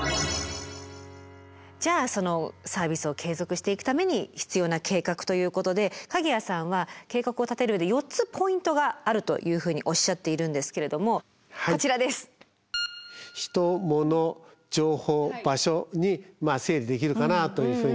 じゃそのサービスを継続していくために必要な計画ということで鍵屋さんは計画を立てる上で４つポイントがあるというふうにおっしゃっているんですけれどもこちらです！に整理できるかなというふうに思っています。